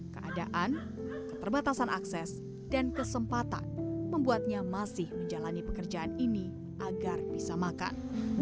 keadaan keterbatasan akses dan kesempatan membuatnya masih menjalani pekerjaan ini agar bisa makan